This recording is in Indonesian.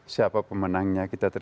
siapa pemenangnya kita terima